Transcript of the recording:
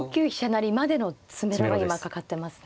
成までの詰めろが今かかってますね。